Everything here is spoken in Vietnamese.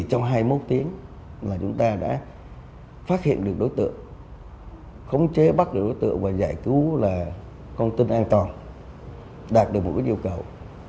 chúng ta chỉ trong hai mươi một tiếng mà chúng ta đã phát hiện được đối tượng khống chế bắt được đối tượng và giải cứu là không tin an toàn đạt được một cái yêu cầu